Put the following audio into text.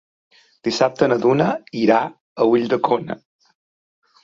Dissabte na Duna irà a Ulldecona.